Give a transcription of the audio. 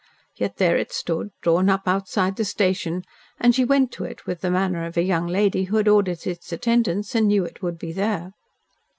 Yet, there it stood drawn up outside the station, and she went to it with the manner of a young lady who had ordered its attendance and knew it would be there.